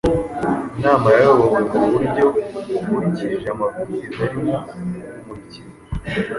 Inama yayobowe mu buryo bukurikije amabwiriza arimo kumurikirwa